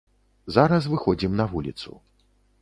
Зараз выходзім на вуліцу.